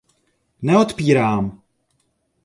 Neodpírám!